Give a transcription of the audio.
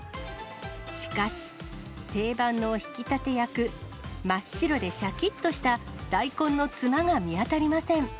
しかし、定番の引き立て役、真っ白でしゃきっとした大根のつまが見当たりません。